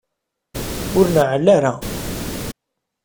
Ur neɛɛel ara.